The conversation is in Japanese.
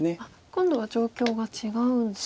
今度は状況が違うんですか。